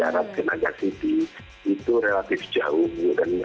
jarak ke naga city itu relatif jauh